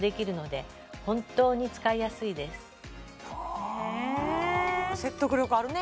あ説得力あるね